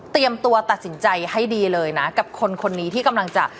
ตัวตัดสินใจให้ดีเลยนะกับคนคนนี้ที่กำลังจะ